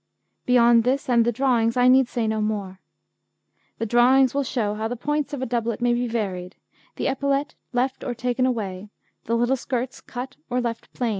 Beyond this and the drawings I need say no more. The drawings will show how the points of a doublet may be varied, the epaulette left or taken away, the little skirts cut or left plain.